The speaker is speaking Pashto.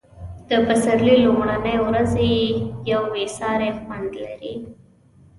د پسرلي لومړنۍ ورځې یو بې ساری خوند لري.